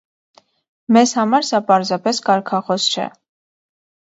Մեզ համար սա պարզապես կարգախոս չէ։